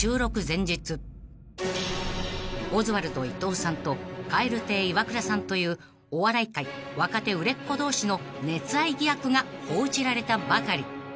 ［オズワルド伊藤さんと蛙亭イワクラさんというお笑い界若手売れっ子同士の熱愛疑惑が報じられたばかり］